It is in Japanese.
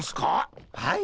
はい。